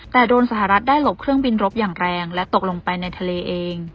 แต่โดนสหรัฐได้หลบเครื่องบินรบอย่างแรงและตกลงไปในทะเลเอง